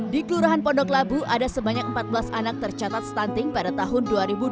di kelurahan pondok labu ada sebanyak empat belas anak tercatat stunting pada tahun dua ribu dua puluh